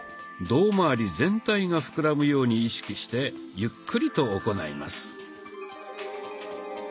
胴まわり全体が膨らむように意識してゆっくりと行います。